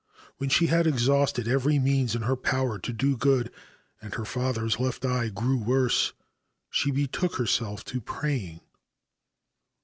When she had exhausted every means in her power to do good, and her father's left eye grew worse, she betook herself to praying.